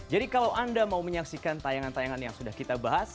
jadi kalau anda mau menyaksikan tayangan tayangan yang sudah kita bahas